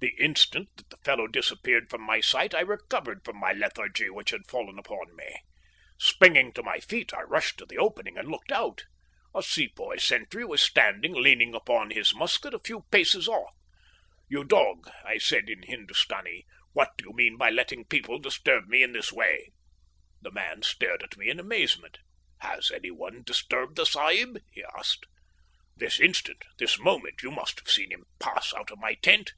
The instant that the fellow disappeared from my sight I recovered from my lethargy which had fallen upon me. Springing to my feet, I rushed to the opening and looked out. A Sepoy sentry was standing leaning upon his musket, a few paces off. "You dog," I said in Hindustani. "What do you mean by letting people disturb me in this way?" The man stared at me in amazement. "Has any one disturbed the sahib?" he asked. "This instant this moment. You must have seen him pass out of my tent."